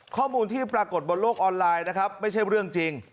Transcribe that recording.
ข้อมูลที่ปรากฏบนโลกออนไลน์นะครับไม่ใช่เรื่องจริง